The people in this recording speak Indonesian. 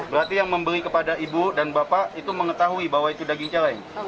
berarti yang membeli kepada ibu dan bapak itu mengetahui bahwa itu daging celeng